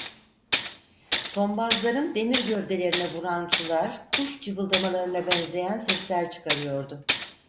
Tombazların demir gövdelerine vuran sular kuş cıvıldamalarına benzeyen sesler çıkarıyordu.